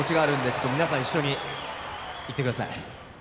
ちょっと皆さん一緒に言ってください